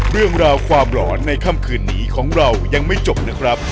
เรื่องราวความหลอนในค่ำคืนนี้ของเรายังไม่จบนะครับ